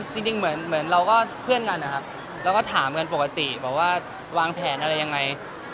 จริงเหมือนเราก็เพื่อนกันนะครับเราก็ถามกันปกติบอกว่าวางแผนอะไรยังไง